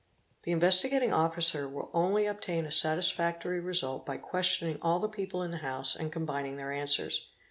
The Investigating Officer will only obtain a satisfactory result by questioning all the people in the house and combining their answers.